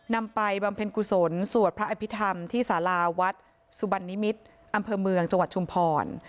ไปบำเพ็ญกุศลสวดพระอภิษฐรรมที่สาราวัดสุบันนิมิตรอำเภอเมืองจังหวัดชุมพร